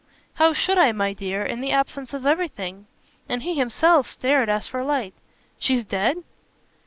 "How should I, my dear in the absence of everything?" And he himself stared as for light. "She's dead?"